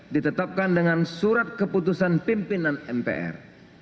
ditetapkan dengan surat keputusan pimpinan mpr